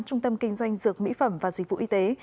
trung tâm kinh doanh dược mỹ phẩm và dịch vụ y tế